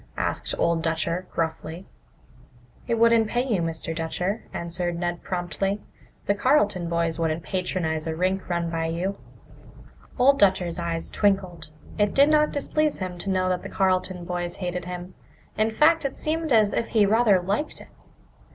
asked Old Dutcher gruffly. "It wouldn't pay you, Mr. Dutcher," answered Ned promptly. "The Carleton boys wouldn't patronize a rink run by you." Old Dutcher's eyes twinkled. It did not displease him to know that the Carleton boys hated him. In fact, it seemed as if he rather liked it.